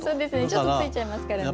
ちょっとついちゃいますからね。